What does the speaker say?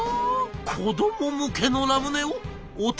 「子ども向けのラムネを大人が？